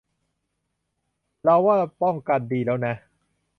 เราว่าเราป้องกันดีแล้วนะ